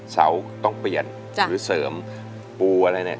สวัสดีครับคุณหน่อย